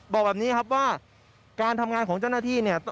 บอกแบบนี้ครับว่าการทำงานของเจ้าหน้าที่เนี่ย